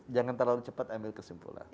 jangan terlalu cepat ambil kesimpulan